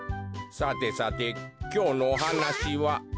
さてさてきょうのおはなしは。